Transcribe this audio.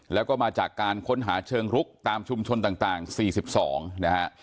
แล้วก็มาจากการค้นหาเชิงรุกตามชุมชนต่าง๔๒นะฮะ